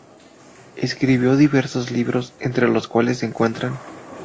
Escribió diversos libros, entre los cuales se encuentran